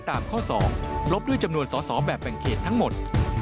ตามข้อ๒ลบด้วยจำนวนสอสอแบบแบ่งเขตทั้งหมด